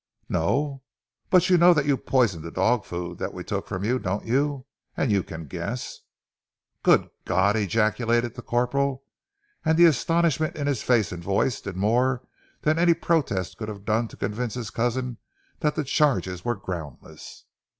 "No! But you know that you poisoned that dog food that we took from you, don't you? And you can guess " "Good God!" ejaculated the corporal, and the astonishment in his face and voice did more than any protests could have done to convince his cousin that the charge was groundless.